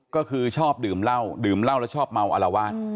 ก็คือชอบดื่มเหล้าดื่มเหล้าแล้วชอบเมาอารวาส